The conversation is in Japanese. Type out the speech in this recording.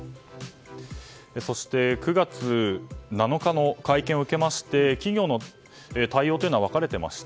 そして、９月７日の会見を受けまして企業の対応は分かれています。